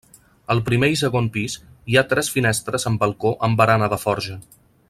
Al primer i segon pis hi ha tres finestres amb balcó amb barana de forja.